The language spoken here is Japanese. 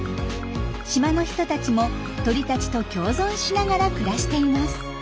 島の人たちも鳥たちと共存しながら暮らしています。